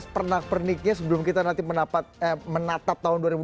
pernak perniknya sebelum kita nanti menatap tahun dua ribu dua puluh